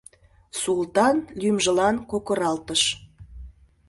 Султан лӱмжылан кокыралтыш.